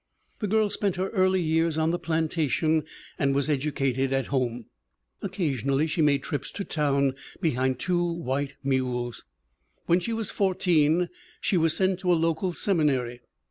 The girl spent her early years on the plantation and was edu cated at home. Occasionally she made trips to town behind two white mules. When she was 14 she was sent to a local seminary.